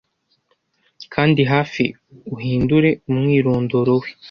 Kandi hafi-uhindure umwirondoro we--